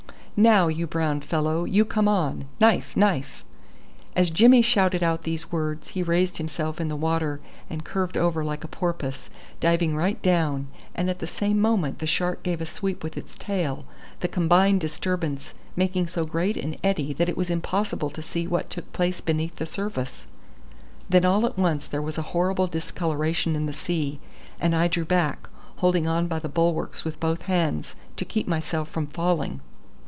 "Now, you brown fellow, you come on. Knife, knife!" As Jimmy shouted out these words he raised himself in the water and curved over like a porpoise, diving right down, and at the same moment the shark gave a sweep with its tail, the combined disturbance making so great an eddy that it was impossible to see what took place beneath the surface. Then all at once there was a horrible discoloration in the sea, and I drew back, holding on by the bulwarks with both hands to keep myself from falling.